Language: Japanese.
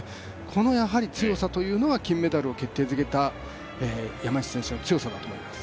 この強さというのは、金メダルを決定づけた山西選手の強さだと思います。